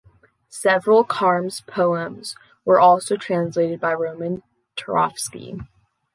Several Kharms poems were also translated by Roman Turovsky.